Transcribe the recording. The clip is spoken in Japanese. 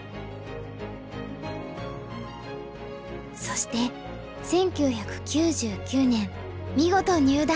そして１９９９年見事入段！